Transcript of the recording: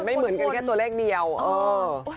ไม่เหมือนกันแค่ตัวเลขเดียวเออ